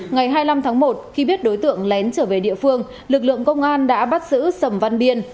ngày hai mươi năm tháng một khi biết đối tượng lén trở về địa phương lực lượng công an đã bắt giữ sầm văn biên